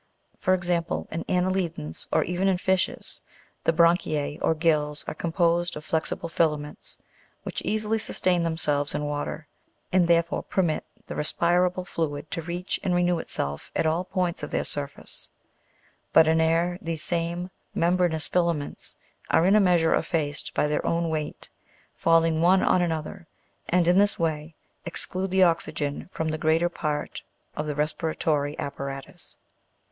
For example, in anne'lidans or even in fishes, the branchiae or gills are com posed of flexible filaments, which easily sustain themselves in water, and therefore permit the respirable fluid to reach and renew itself at all points of their surface; but, in air, these same membranous filaments are in a measure effaced by their own weight, falling one on another, and, in this way, exclude the oxygen from the greater part of the respiratory apparatus.